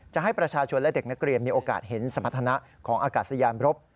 จะให้ประชาชนและเด็กนักเรียนมีโอกาสเห็นสมรรถนะของอากาศยานรบ